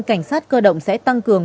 cảnh sát cơ động sẽ tăng cường